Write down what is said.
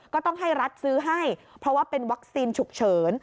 ก็ต้องให้รัฐซื้อให้เพราะว่าเป็นวัคซีนฉุกเฉิน